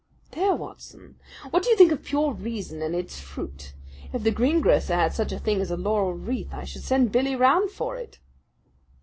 There, Watson! What do you think of pure reason and its fruit? If the green grocer had such a thing as a laurel wreath, I should send Billy round for it."